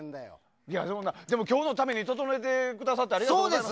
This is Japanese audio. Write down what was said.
でも、今日のために整えてくださってありがとうございます。